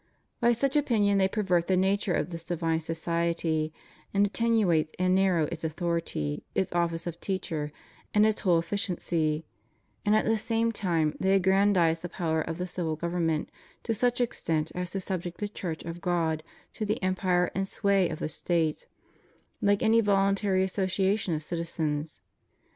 By such opinion they pervert the nature of this divine society, and attenuate and narrow its authority, its office of teacher, and its whole efficiency ; and at the same time they aggran dize the power of the civil government to such extent as to subject the Church of God to the empire and sway of the State, like any voluntary association of citizens.